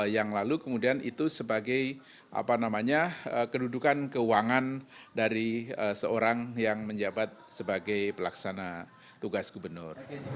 yang lalu kemudian itu sebagai kedudukan keuangan dari seorang yang menjabat sebagai pelaksana tugas gubernur